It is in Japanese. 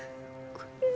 ごめん。